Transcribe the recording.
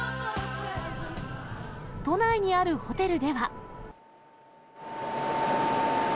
都内にあるホテルでは。